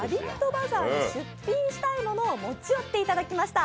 バザーに出品したいものを持ってきていただきました。